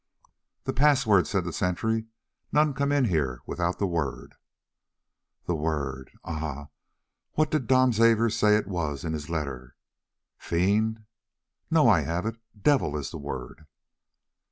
"The password," said the sentry; "none come in here without the word." "The word—Ah! what did the Dom Xavier say it was in his letter? 'Fiend!' No, I have it, 'Devil' is the word."